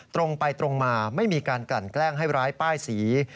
ตรงไปตรงมาไม่มีการกลั่นแกล้งให้ร้ายป้ายสี